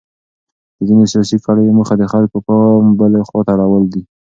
د ځینو سیاسي کړیو موخه د خلکو پام بلې خواته اړول دي.